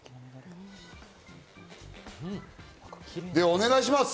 お願いします。